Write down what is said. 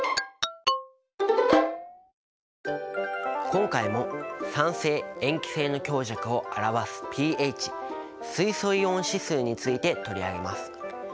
今回も酸性塩基性の強弱を表すｐＨ水素イオン指数について取り上げます。